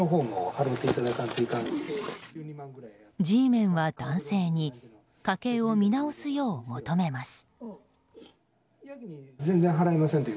Ｇメンは男性に家計を見直すよう求めます。